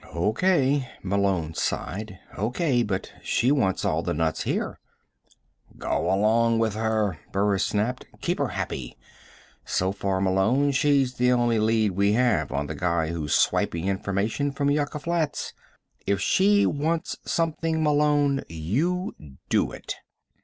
"O.K.," Malone sighed. "O.K. But she wants all the nuts here." "Go along with her," Burris snapped. "Keep her happy. So far, Malone, she's the only lead we have on the guy who's swiping information from Yucca Flats. If she wants something, Malone, you do it."